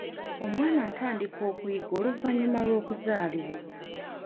Omwana atandika okuyiga oluvannyuma lw'okuzaalibwa.